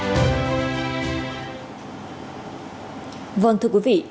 cảm ơn thưa quý vị